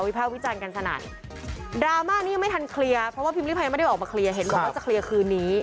ภาควิจารณ์กันสนั่นดราม่านี้ยังไม่ทันเคลียร์เพราะว่าพิมพ์ริพายไม่ได้ออกมาเคลียร์เห็นบอกว่าจะเคลียร์คืนนี้